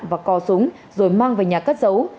và co súng rồi mang về nhà cất giấu